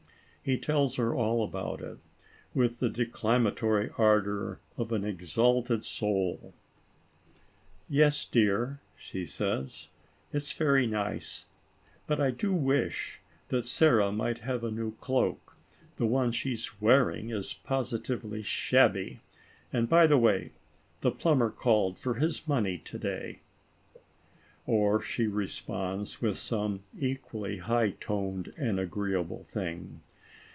He tells her all about it, with the declamatory ardor of an ex alted soul. "Yes, dear," she says, "it's very nice ; but I do wish that Sara might have a new cloak; the one she is wearing is positively shabby; and, by the way, the plumber called for his money to day," or she responds with some equally high toned and agreeable thing.